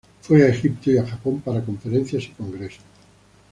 Fue a Egipto y a Japón para conferencias y congresos.